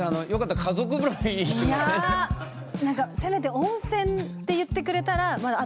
いやなんかせめて「温泉」って言ってくれたらまだあっ